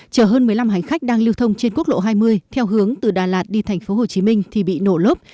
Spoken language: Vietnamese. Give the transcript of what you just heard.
chở hơn một mươi năm hành khách đang lưu thông trên quốc lộ hai mươi theo hướng từ đà lạt đi tp hcm thì bị nổ lốp